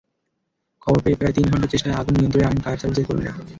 খবর পেয়ে প্রায় তিন ঘণ্টার চেষ্টায় আগুন নিয়ন্ত্রণে আনেন ফায়ার সার্ভিসের কর্মীরা।